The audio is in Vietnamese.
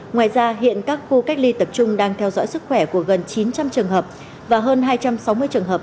ngoài ra hiện các khu cách ly tập trung đang theo dõi sức khỏe của gần chín trăm linh trường hợp và hơn hai trăm sáu mươi trường hợp